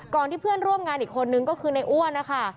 ที่เพื่อนร่วมงานอีกคนนึงก็คือในอ้วนนะคะ